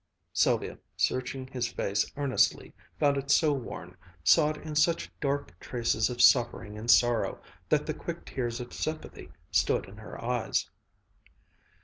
Sylvia, searching his face earnestly, found it so worn, saw in it such dark traces of suffering and sorrow, that the quick tears of sympathy stood in her eyes.